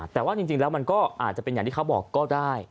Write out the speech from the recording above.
แต่ว่าจริงแล้วมันก็อาจจะเป็นอย่างที่เขาบอกก็ได้